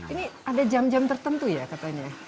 ini ada jam jam tertentu ya katanya